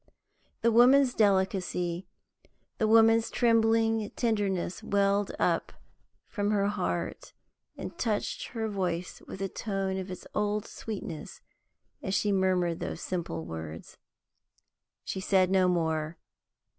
The woman's delicacy, the woman's trembling tenderness welled up from her heart, and touched her voice with a tone of its old sweetness as she murmured those simple words. She said no more.